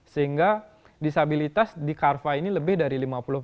sehingga disabilitas di carva ini lebih dari lima puluh